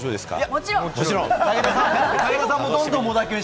もちろん！